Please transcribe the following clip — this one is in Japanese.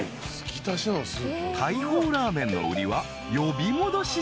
［大砲ラーメンの売りは］